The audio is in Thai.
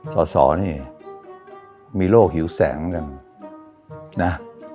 สอสอนี่มีโรคหิวแสงกันนะ